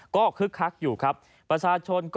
ก็คึกคักอยู่ครับประชาชนก็